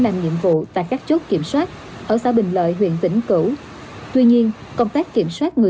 làm nhiệm vụ tại các chốt kiểm soát ở xã bình lợi huyện vĩnh cửu tuy nhiên công tác kiểm soát người